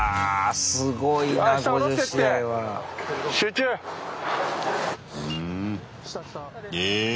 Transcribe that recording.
すごいな５０試合は。え。